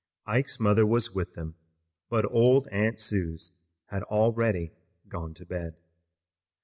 Ike's mother was with them, but old Aunt Suse had already gone to bed.